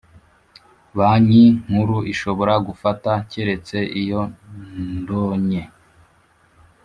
Banki Nkuru ishobora gufata keretse iyo ndonye